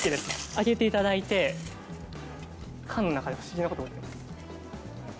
開けていただいて缶の中で不思議なことが起きてます。